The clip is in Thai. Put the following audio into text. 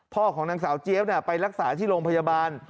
ของนางสาวเจี๊ยบไปรักษาที่โรงพยาบาล